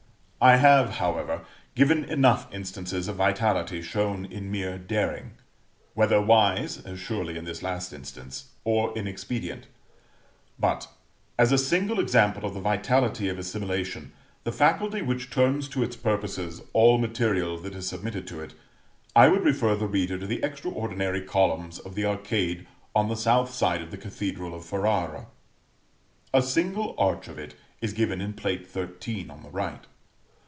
I have, however, given enough instances of vitality shown in mere daring, whether wise, as surely in this last instance, or inexpedient; but, as a single example of the Vitality of Assimilation, the faculty which turns to its purposes all material that is submitted to it, I would refer the reader to the extraordinary columns of the arcade on the south side of the Cathedral of Ferrara. A single arch of it is given in Plate XIII. on the right.